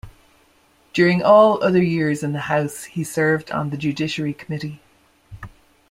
During all other years in the House, he served on the judiciary committee.